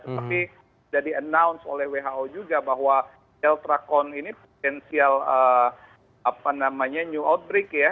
tapi sudah di announce oleh who juga bahwa deltracon ini potensial apa namanya new outbreak ya